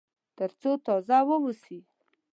تر څو تازه واوسي.